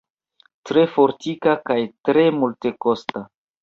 Tre fortika kaj tre multekosta.